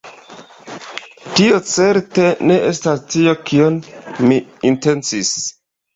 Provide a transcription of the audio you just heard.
Tio certe ne estas tio kion mi intencis!